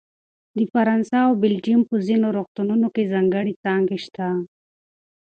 د فرانسه او بلجیم په ځینو روغتونونو کې ځانګړې څانګې شته.